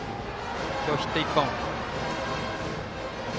今日、ヒット１本。